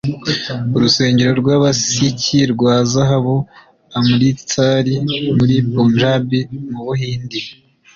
urusengero rw’abasiki rwa zahabu, amritsar, muri punjabi, mu buhindi